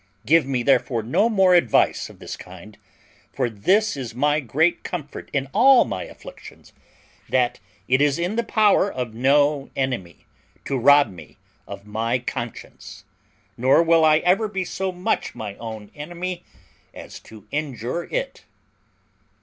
Give me, therefore, no more advice of this kind; for this is my great comfort in all my afflictions, that it is in the power of no enemy to rob me of my conscience, nor will I ever be so much my own enemy as to injure it."